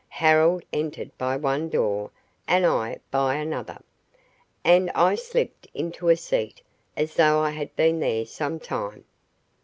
Harold entered by one door and, I by another, and I slipped into a seat as though I had been there some time.